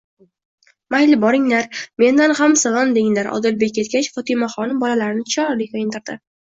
Mayli, boringlar. Mendan ham salom denglar. Odilbek ketgach, Fotimaxonim bolalarini chiroyli kiyintirdi.